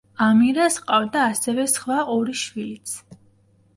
ამირას ჰყავდა ასევე სხვა ორი შვილიც.